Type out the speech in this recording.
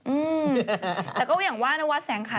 อืมแต่ก็อย่างว่านวัดแสงขัน